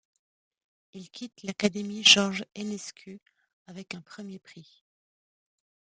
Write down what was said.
Il quitte l'académie George Enescu avec un premier prix.